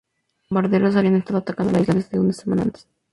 Los bombarderos habían estado atacando la isla desde una semana antes.